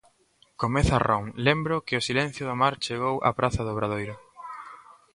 Comeza Ron: Lembro que o silencio do mar chegou á praza do Obradoiro.